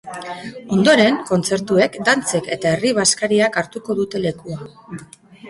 Ondoren, kontzertuek, dantzek eta herri-bazkariak hartuko dute lekua.